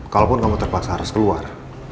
kalaupun kamu terpaksa harus keluar